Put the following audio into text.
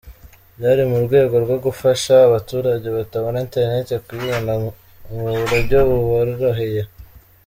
Byari mu rwego rwo gufasha abaturage batabona internet kuyibona mu buryo buboroheye.